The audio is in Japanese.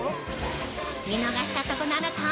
見逃した、そこのあなた！